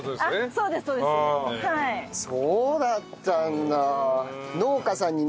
そうだったんだ。